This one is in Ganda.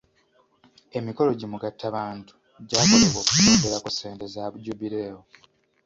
Emikolo gi mugattabantu gyakolebwa okusonderako ssente za jubireewo